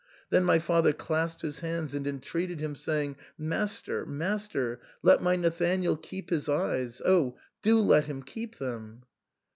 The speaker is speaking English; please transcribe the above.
Then my father clasped his hands and entreated him, saying, ''Master, master, let my Nathanael keep his eyes — oh ! do let him keep them."